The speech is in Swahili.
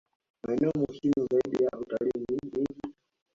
Maeneo muhimu zaidi ya utalii ni miji